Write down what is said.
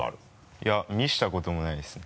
いや見せたこともないですね。